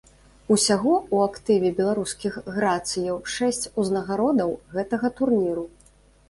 Усяго ў актыве беларускіх грацыяў шэсць узнагародаў гэтага турніру.